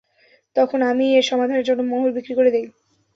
তখন আমিই এর সমাধানের জন্য, মহল বিক্রি করে দেই।